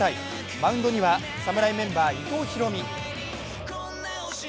マウンドには侍メンバー伊藤大海。